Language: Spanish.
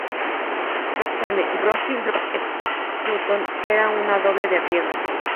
Roxanne "Roxy Rocket" Sutton era una doble de riesgo.